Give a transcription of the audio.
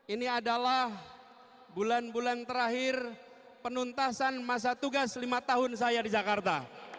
ini adalah bulan bulan terakhir penuntasan masa tugas lima tahun saya di jakarta